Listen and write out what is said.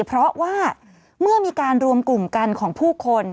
เพราะว่าเมื่อมีการรวมกลุ่มกันของผู้คน